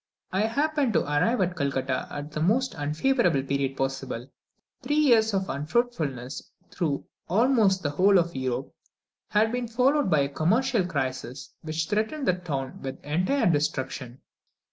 I happened to arrive in Calcutta at the most unfavourable period possible. Three years of unfruitfulness through almost the whole of Europe had been followed by a commercial crisis, which threatened the town with entire destruction.